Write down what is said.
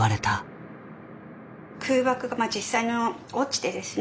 空爆が実際に落ちてですね